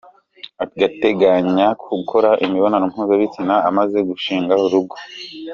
Ateganya gukora imibonano mpuzabitsina amaze gushinga urugo.